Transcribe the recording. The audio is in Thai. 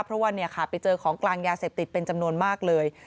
เพราะว่าเนี่ยค่ะไปเจอของกลางยาเสพติดเป็นจำนวนมากเลย